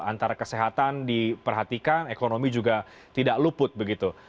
antara kesehatan diperhatikan ekonomi juga tidak luput begitu